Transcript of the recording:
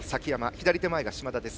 左手前が嶋田です。